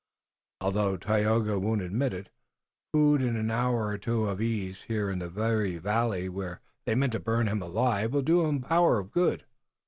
Although Tayoga won't admit it, food and an hour or two of ease here in the very valley where they meant to burn him alive, will do him a power of good."